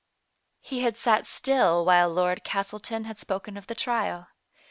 He had sat still while Lord Castleton had spoken of the trial.